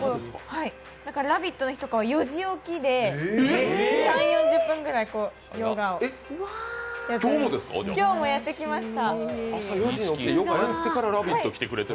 だから「ラヴィット！」の日とかは４時起きで、３０４０分ぐらいヨガを今日もやってきました。